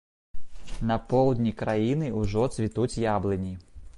На поўдні краіны ўжо цвітуць яблыні.